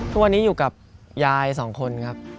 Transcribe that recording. ตอนนี้อยู่กับยายสองคนนะครับ